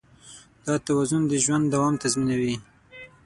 دا توازن د ژوند دوام تضمینوي.